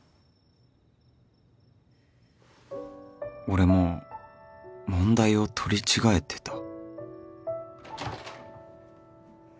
俺も問題を取り違えてた？